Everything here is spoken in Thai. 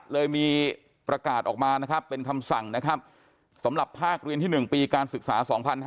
เลยมีประกาศออกมาเป็นคำสั่งสำหรับภาคเรียนที่๑ปีการศึกษา๒๕๖๔